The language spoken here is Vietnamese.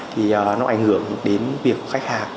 thì nó ảnh hưởng đến việc của khách hàng